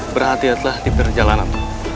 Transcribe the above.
berhati hatilah di perjalanan